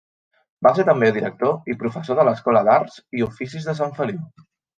Va ser també director i professor de l'escola d'arts i oficis de Sant Feliu.